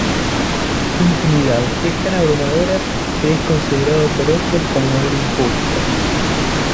Infinidad es tan abrumadora que es considerado por otros como algo injusto.